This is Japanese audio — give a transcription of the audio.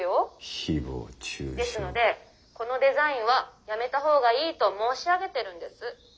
「ですのでこのデザインは止めたほうが良いと申し上げてるんです」。